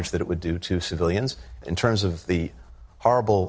terkait dengan kecederaan yang akan terjadi pada para militer